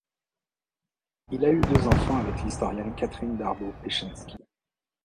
Il a eu deux enfants avec l'historienne Catherine Darbo-Peschanski.